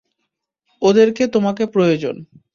ওদের তোমাকে প্রয়োজন!